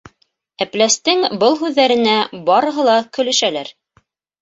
Әпләстең был һүҙҙәренә барыһы ла көлөшәләр.